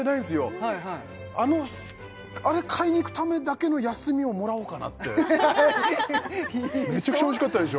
はいはいあれ買いにいくためだけの休みをもらおうかなってめちゃくちゃおいしかったでしょ